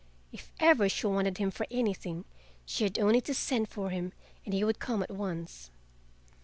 If ever she wanted him for anything she had only to send for him and he would come at once.